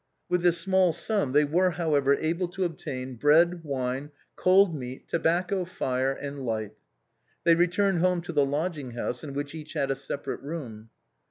With this small sum they were however able to obtain bread, wine, cold meat, tobacco, fire, and light. They returned home to the lodging house in which each had a separate room.